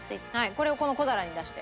これをこの小皿に出して。